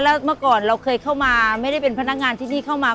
แล้วเมื่อก่อนเราเคยเข้ามาไม่ได้เป็นพนักงานที่นี่เข้ามา